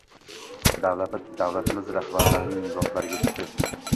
Davlatimiz rahbarining nigohlariga tushdi